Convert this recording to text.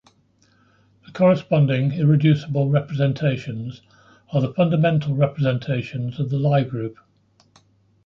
The corresponding irreducible representations are the fundamental representations of the Lie group.